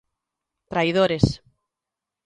Traidores.